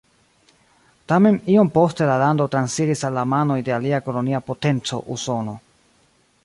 Tamen iom poste la lando transiris al la manoj de alia kolonia potenco Usono.